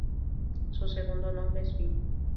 Su segundo nombre es Phil.